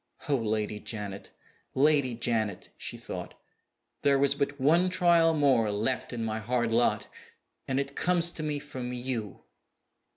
"Oh, Lady Janet, Lady Janet!" she thought, "there was but one trial more left in my hard lot and it comes to me from _you!